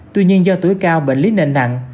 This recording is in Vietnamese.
tuy nhiên do tuổi cao bệnh lý nền nặng